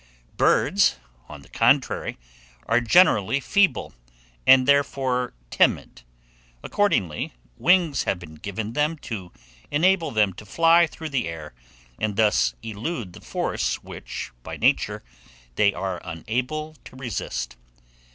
Birds, on the contrary, are generally feeble, and, therefore, timid. Accordingly, wings have been given them to enable them to fly through the air, and thus elude the force which, by nature, they are unable to resist.